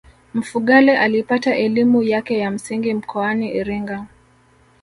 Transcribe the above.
mfugale alipata elimu yake ya msingi mkoani iringa